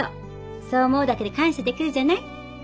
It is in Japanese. そう思うだけで感謝できるじゃない？